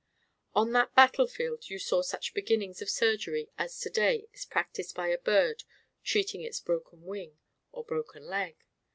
On that battle field you saw such beginnings of surgery as to day is practised by a bird treating its broken wing or broken leg.